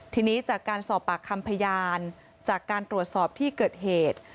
ทีนี้จากการสอบปากคำพยานจากการตรวจสอบที่เกิดเหตุ